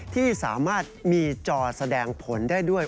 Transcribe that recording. ที่สามารถมีจอแสดงผลได้ด้วย